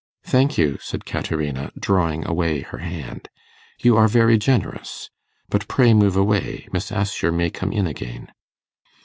'Thank you,' said Caterina, drawing away her hand. 'You are very generous. But pray move away. Miss Assher may come in again.